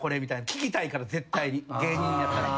聴きたいから絶対に芸人やったら。